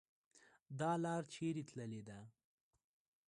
.دا لار چیري تللې ده؟